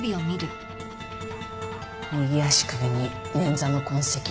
右足首に捻挫の痕跡。